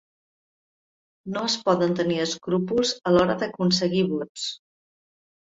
No es poden tenir escrúpols a l’hora d’aconseguir vots.